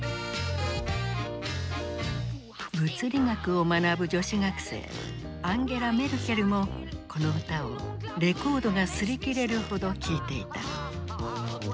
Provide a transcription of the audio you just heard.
物理学を学ぶ女子学生アンゲラ・メルケルもこの歌をレコードが擦り切れるほど聴いていた。